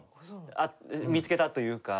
見つけたというか。